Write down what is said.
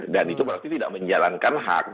dan itu berarti tidak menjalankan hak